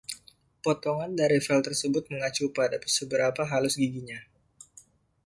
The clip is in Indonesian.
"Potongan" dari file tersebut mengacu pada seberapa halus giginya.